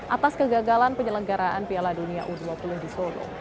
atas kegagalan penyelenggaraan piala dunia u dua puluh di solo